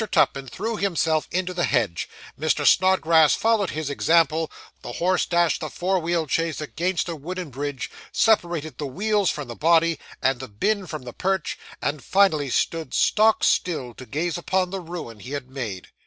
Tupman threw himself into the hedge, Mr. Snodgrass followed his example, the horse dashed the four wheeled chaise against a wooden bridge, separated the wheels from the body, and the bin from the perch; and finally stood stock still to gaze upon the ruin he had made.